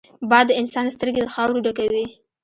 باد د انسان سترګې د خاورو ډکوي